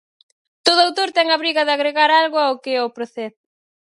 Todo autor ten a obriga de agregar algo ao que o precede.